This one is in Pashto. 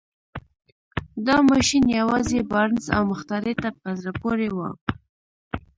دا ماشين يوازې بارنس او مخترع ته په زړه پورې و.